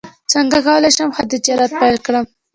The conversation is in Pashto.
څنګه کولی شم ښه تجارت پیل کړم